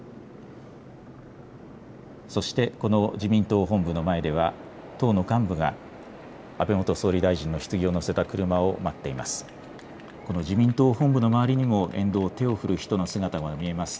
そして、この自民党本部の前では党の幹部が安倍元総理大臣のひつぎを乗せた車を待っています。